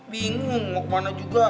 bingung mau kemana juga